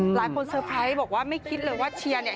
เซอร์ไพรส์บอกว่าไม่คิดเลยว่าเชียร์เนี่ย